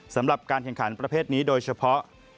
สำหรับการแข่งขันประเภทนี้โดยเฉพาะ